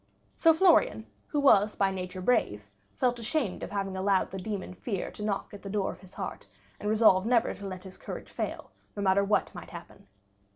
So Florian, who was by nature brave, felt ashamed of having allowed the demon Fear to knock at the door of his heart, and resolved never to let his courage fail, no matter what might happen.